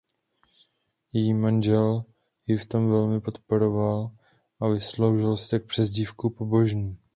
Její manžel ji v tom velmi podporoval a vysloužil si tak přezdívku "Pobožný".